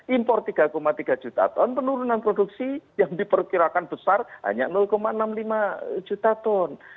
impor tiga tiga juta ton penurunan produksi yang diperkirakan besar hanya enam puluh lima juta ton